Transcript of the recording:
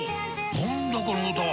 何だこの歌は！